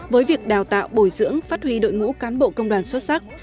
với việc đào tạo bồi dưỡng phát huy đội ngũ cán bộ công đoàn xuất sắc